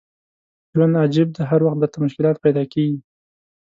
ژوند عجیب دی هر وخت درته مشکلات پیدا کېږي.